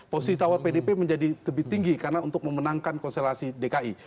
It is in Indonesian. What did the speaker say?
posisi tawar pdp menjadi lebih tinggi karena untuk memenangkan konstelasi dki